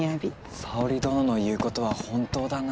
沙織殿の言うことは本当だな。